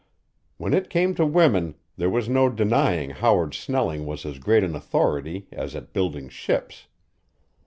When it came to women there was no denying Howard Snelling was as great an authority as at building ships.